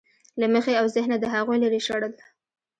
له مخې او ذهنه د هغوی لرې شړل.